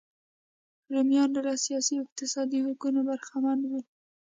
رومیان له سیاسي او اقتصادي حقونو برخمن وو.